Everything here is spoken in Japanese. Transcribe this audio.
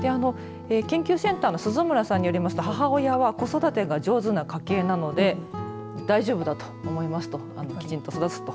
研究センターの鈴村さんによりますと母親は子育てが上手な家系なので大丈夫だと思いますときちんと育つと。